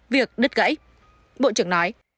việc đứt gãy bộ trưởng nói